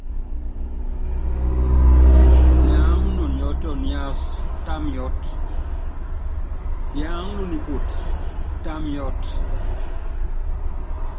Yaáŋa nɔ niɔ́tɔ niasɔ́, tá miɔ́t, yaáŋa no nipoti, tá miɔ́t.